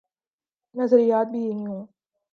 نظریات بھی یہی ہوں۔